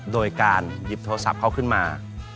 โดยการหยิบโทรศัพท์เขาขึ้นมา